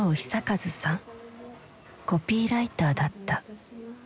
コピーライターだった。